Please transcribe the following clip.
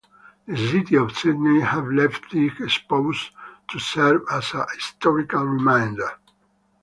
The City of Sydney have left these exposed to serve as a historical reminder.